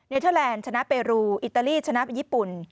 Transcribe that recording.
เทอร์แลนด์ชนะเปรูอิตาลีชนะไปญี่ปุ่น